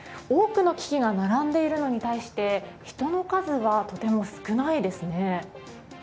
多くの機器が並んでいるのに対して人の数は、とても少ないですね。